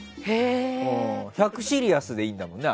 １００シリアスでいいんだもんね。